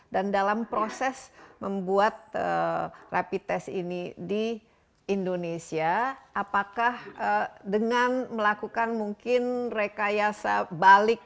dan dalam proses membuat rapid test ini di indonesia apakah dengan melakukan mungkin rekayasa balik